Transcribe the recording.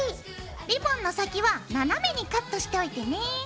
リボンの先は斜めにカットしておいてね。